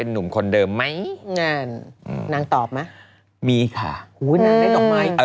หนุ่มคนเดิมไหมนั่นนางตอบมั้ยมีค่ะโอ้โหนางได้ตอบมั้ยเออ